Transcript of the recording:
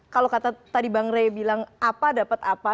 kalau kata tadi bang rey bilang apa dapat apa